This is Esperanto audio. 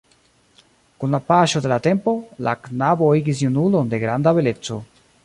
Kun la paŝo de la tempo, la knabo igis junulon de granda beleco.